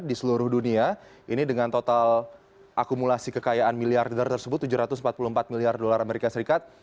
di seluruh dunia ini dengan total akumulasi kekayaan miliarder tersebut tujuh ratus empat puluh empat miliar dolar amerika serikat